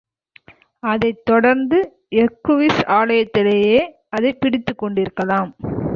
அதைத் தொடர்ந்து ஹெர்க்குவிஸ் ஆலயத்திலேயே அதைப் பிடித்துக்கொண்டிருக்கலாம்.